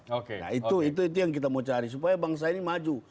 oke nah itu yang kita mau cari supaya bangsa ini maju